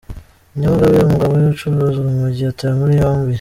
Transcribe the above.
Nyamagabe: Umugabo ucuruza urumogi yatawe muri yombi.